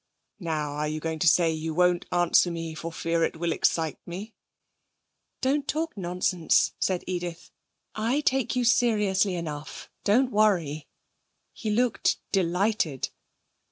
'Now, are you going to say you won't answer me for fear it will excite me?' 'Don't talk nonsense,' said Edith. 'I take you seriously enough. Don't worry!' He looked delighted.